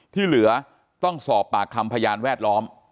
ที่เหลือต้องสอบปากคำพยานแวดล้อม